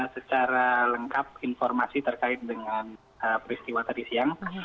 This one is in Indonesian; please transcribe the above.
saya ingin mengucapkan informasi terkait dengan peristiwa tadi siang